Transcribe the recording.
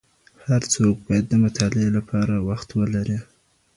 هر څوک باید د مطالعې لپاره وخت ولري.